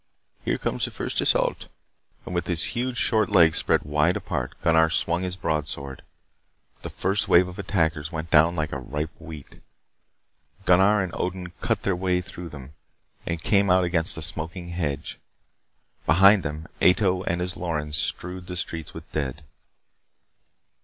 Here comes the first assault." And with his huge short legs spread wide apart, Gunnar swung his broadsword. The first wave of attackers went down like ripe wheat. Gunnar and Odin cut their way through them, and came out against a smoking hedge. Behind them, Ato and his Lorens strewed the streets with dead.